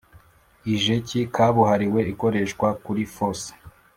Ijeki kabuhariwe (ikoreshwa kuri fosse).